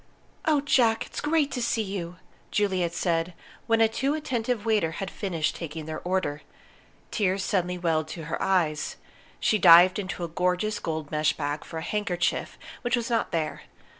"Oh, Jack, it's great to see you!" Juliet said, when a too attentive waiter had finished taking their order. Tears suddenly welled to her eyes. She dived into a gorgeous gold mesh bag for a handkerchief, which was not there.